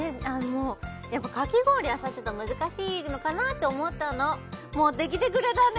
やっぱかき氷はさちょっと難しいのかなって思ったの持ってきてくれたね